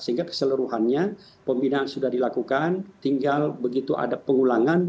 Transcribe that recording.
sehingga keseluruhannya pembinaan sudah dilakukan tinggal begitu ada pengulangan